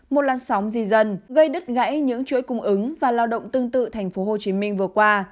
một lăn sóng di dân gây đứt gãy những chuỗi cung ứng và lao động tương tự thành phố hồ chí minh vừa qua